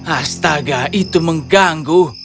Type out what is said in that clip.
astaga itu mengganggu